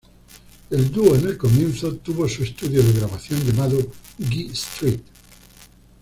El dúo en el comienzo, tuvo su estudio de grabación llamado "Gee Street".